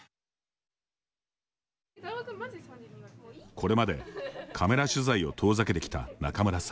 これまでカメラ取材を遠ざけてきた仲邑さん。